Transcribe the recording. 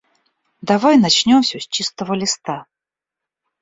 Давай начнём всё с чистого листа.